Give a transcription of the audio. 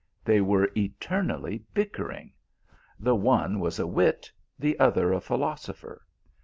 They were eternally bick ering. The one was a wit, the other a philosopher.